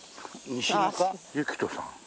西中千人さん。